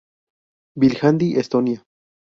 Viljandi, Estonia